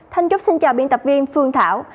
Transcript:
thanh trúc xin chào biên tập viên phương thảo